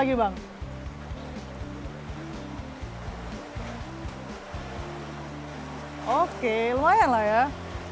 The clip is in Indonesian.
daripada nggak berjalan ya olahraga juga di sini